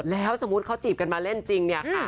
แล้วสมมุติเขาจีบกันมาเล่นจริงเนี่ยค่ะ